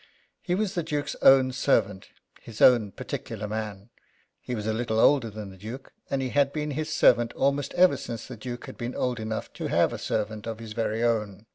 He was the Duke's own servant his own particular man. He was a little older than the Duke, and he had been his servant almost ever since the Duke had been old enough to have a servant of his very own.